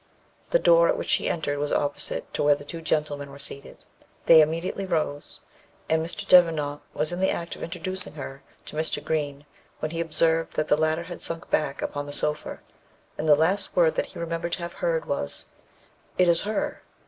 The door at which she entered was opposite to where the two gentlemen were seated. They immediately rose; and Mr. Devenant was in the act of introducing her to Mr. Green, when he observed that the latter had sunk back upon the sofa, and the last word that he remembered to have heard was, "It is her."